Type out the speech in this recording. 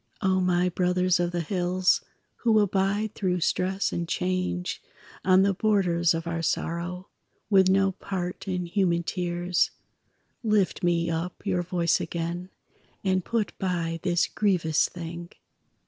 O my brothers of the hills, Who abide through stress and change, On the borders of our sorrow, With no part in human tears, Lift me up your voice again And put by this grievous thing!